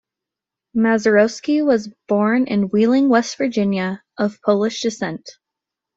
Mazeroski was born in Wheeling, West Virginia, of Polish descent.